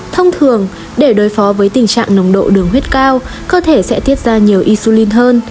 thông thường để đối phó với tình trạng nồng độ đường huyết cao cơ thể sẽ thiết ra nhiều isulin hơn